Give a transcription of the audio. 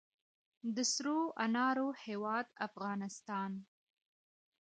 د سرو انارو هیواد افغانستان.